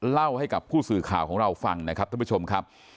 เล่าให้กับผู้สื่อข่าวของเราฟังนะครับท่านผู้ชมครับ